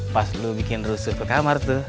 pas lu bikin rusuk ke kamar tuh